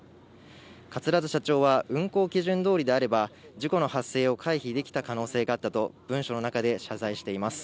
桂田社長は運航基準通りであれば、事故の発生を回避できた可能性があったと文書の中で謝罪しています。